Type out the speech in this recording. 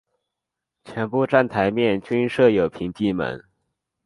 全部站台面均设有屏蔽门。